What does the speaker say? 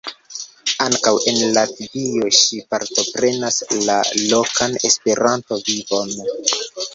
Ankaŭ en Latvio ŝi partoprenas la lokan Esperanto-vivon.